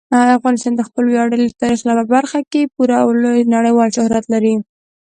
افغانستان د خپل ویاړلي تاریخ په برخه کې پوره او لوی نړیوال شهرت لري.